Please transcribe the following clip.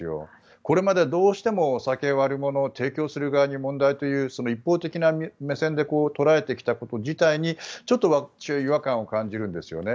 これまでどうしてもお酒が悪者提供する側に問題という一方的な目線で捉えてきたこと自体にちょっと私は違和感を感じるんですね。